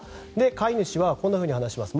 飼い主はこんなふうに話します。